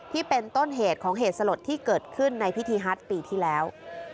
ที่เป็นต้นเหตุของเหตุสลดที่เกิดขึ้นในพิธีฮัตปีที่แล้ว